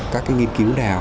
các nghiên cứu nào